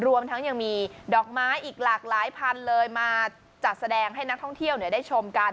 รวมทั้งยังมีดอกไม้อีกหลากหลายพันเลยมาจัดแสดงให้นักท่องเที่ยวได้ชมกัน